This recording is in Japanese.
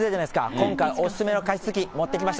今回、お勧めの加湿器、持ってきました。